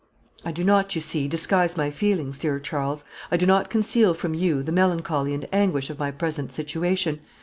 "I do not, you see, disguise my feelings, dear Charles; I do not conceal from you the melancholy and anguish of my present situation.